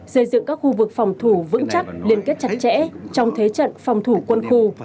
xây dựng các khu vực phòng thủ vững chắc liên kết chặt chẽ trong thế trận phòng thủ quân khu